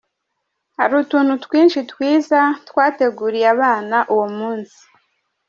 Hari utuntu twinshi twiza twateguriye abana uwo munsi.